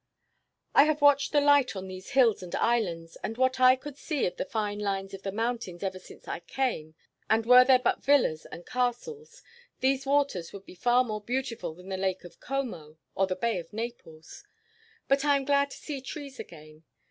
"I have watched the light on these hills and islands, and what I could see of the fine lines of the mountains ever since I came, and were there but villas and castles, these waters would be far more beautiful than the Lake of Como or the Bay of Naples. But I am glad to see trees again.